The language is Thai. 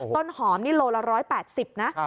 ต้นหอมนี่โลละ๑๘๐นะ